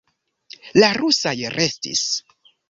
La rusaj restis.